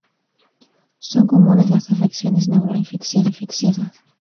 Son comunes las afecciones neurológicas e infecciosas.